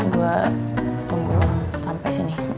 gue tunggu sampe sini